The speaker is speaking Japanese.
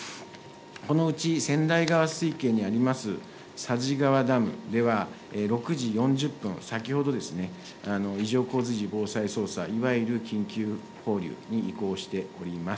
このうち千代川水系にあります、佐治川ダムでは、６時４０分、先ほどですね、異常降水時防災操作、いわゆる緊急放流に移行しております。